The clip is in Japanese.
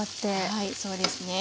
はいそうですね。